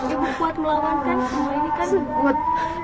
ibu tetap kuat kan bisa kuat kan melawan ibu kuat melawan kain semua ini kan